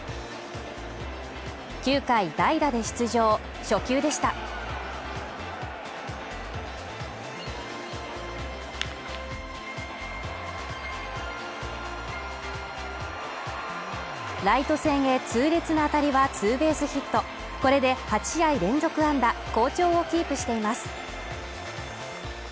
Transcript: ９回代打で出場初球でしたライト線へ痛烈な当たりはツーベースヒットこれで８試合連続安打好調をキープしています